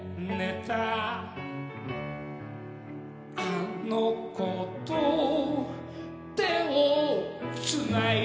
「あの娘と手をつないで」